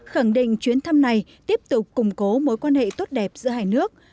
khẳng định chuyến thăm này tiếp tục củng cố mối quan hệ tốt đẹp giữa hai nước